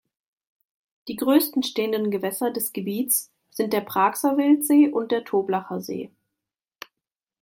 Die größten stehenden Gewässer des Gebiets sind der Pragser Wildsee und der Toblacher See.